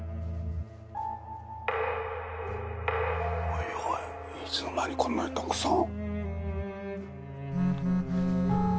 おいおいいつの間にこんなにたくさん。